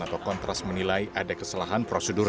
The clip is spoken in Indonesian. atau kontras menilai ada kesalahan prosedur